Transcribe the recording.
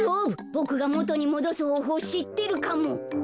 ボクがもとにもどすほうほうをしってるかも。